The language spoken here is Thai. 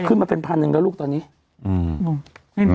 คือมันเป็นพันหนึ่งแล้วลูกตอนนี้อืม